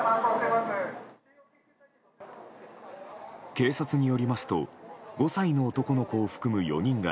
警察によりますと５歳の男の子を含む４人が